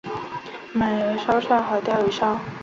买了串烧和鲷鱼烧